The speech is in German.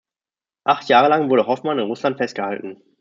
Acht Jahre lang wurde Hofmann in Russland festgehalten.